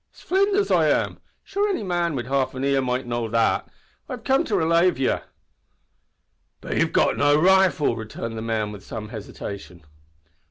"It's Flinders I am. Sure any man wid half an ear might know that. I've come to relave ye." "But you've got no rifle," returned the man, with some hesitation.